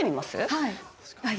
はい。